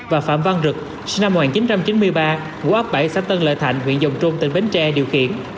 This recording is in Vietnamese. và phạm văn rực xã mòi chín trăm chín mươi ba quốc ốc bảy xã tân lợi thạnh huyện dòng trung tỉnh bến tre điều khiển